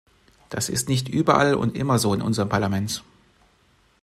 Das ist nicht überall und immer so in unserem Parlament.